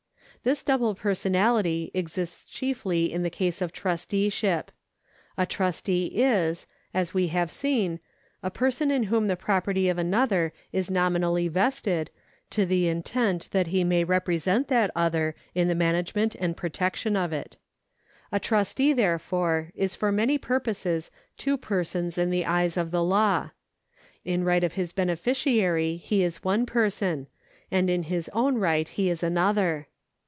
This double personality exists chiefly in the case of trusteeship. A trustee is, as we have seen, a person in whom the property of another is nominally vested, to the intent that he may represent that other in the management and protection of it. A trustee, therefore, is for many purposes two persons in the eye of the law. In right of his beneficiary he is one person, and in his own right he is another.